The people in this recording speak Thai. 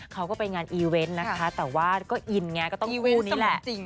เขาก็ไปงานอีเวนต์นะคะแต่ว่าก็อินไงก็ต้องคู่นี้แหละ